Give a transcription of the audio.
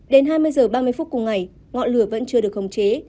đến hai mươi h ba mươi phút cùng ngày ngọn lửa vẫn chưa được khống chế